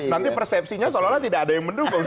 nanti persepsinya seolah olah tidak ada yang mendukung